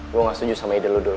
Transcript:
gua ga setuju sama ide lu dulu